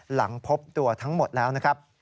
หลังพบตัวทั้งหมดแล้วนะครับ